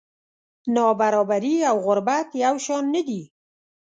نابرابري او غربت یو شان نه دي.